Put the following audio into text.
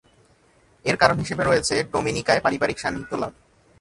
এর কারণ হিসেবে রয়েছে ডোমিনিকায় পারিবারিক সান্নিধ্য লাভ।